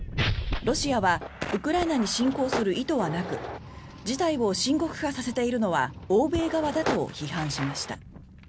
ロシアはウクライナに侵攻する意図はなく事態を深刻化させているのは欧米側だと批判しました。